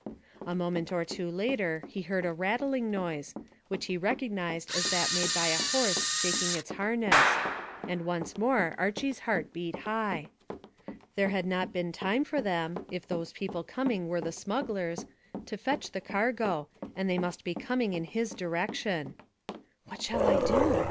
A moment or two later he heard a rattling noise, which he recognised as that made by a horse shaking his harness, and once more Archy's heart beat high. There had not been time for them if those people coming were the smugglers to fetch the cargo, and they must be coming in his direction. "What shall I do?"